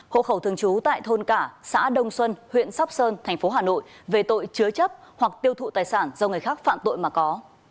hộ khẩu thường trú tại thôn cả xã đông xuân huyện sóc sơn thành phố hà nội về tội chứa chấp hoặc tiêu thụ tài sản do người khác phạm tội mà có